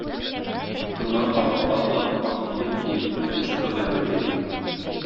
Шуннан ак атка атланып, ак кием киеп икенче кыз янына килә